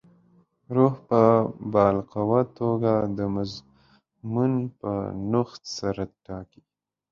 روح په باالقوه توګه د مضمون په نوښت سره ټاکي.